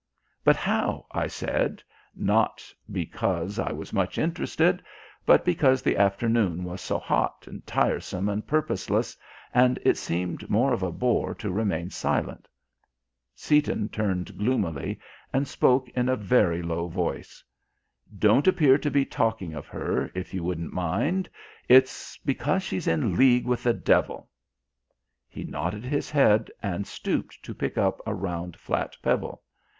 "But how?" I said, not because I was much interested, but because the afternoon was so hot and tiresome and purposeless, and it seemed more of a bore to remain silent. Seaton turned gloomily and spoke in a very low voice. "Don't appear to be talking of her, if you wouldn't mind. It's because she's in league with the devil." He nodded his head and stooped to pick up a round flat pebble.